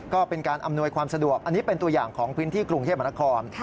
ก็เป็นการอำนวยความสะดวกอันนี้เป็นตัวอย่างของพื้นที่กรุงเทพมนาคม